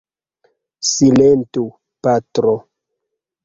Silentu, patro!